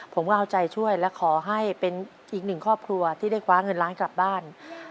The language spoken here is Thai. ผมก็เอาใจช่วยและขอให้เป็นอีกหนึ่งครอบครัวที่ได้คว้าเงินล้านกลับบ้าน